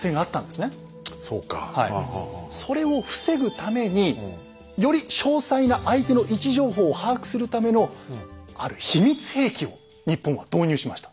それを防ぐためにより詳細な相手の位置情報を把握するためのある秘密兵器を日本は導入しました。